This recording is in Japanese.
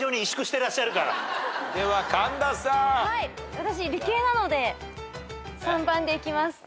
私理系なので３番でいきます。